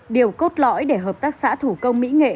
điều cốt lõi để hợp tác xã thủ công mỹ nghệ